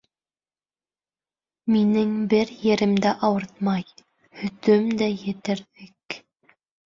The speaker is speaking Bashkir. Минең бер ерем дә ауыртмай, һөтөм дә етәрҙек...